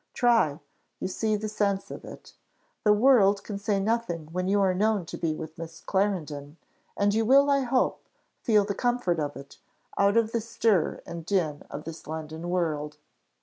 Try; you see the sense of it: the world can say nothing when you are known to be with Miss Clarendon; and you will, I hope, feel the comfort of it, out of the stir and din of this London world.